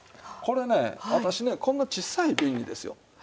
これね私ねこんな小さい瓶にですよ。